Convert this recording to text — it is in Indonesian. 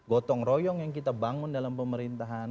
gotong royong yang kita bangun dalam pemerintahan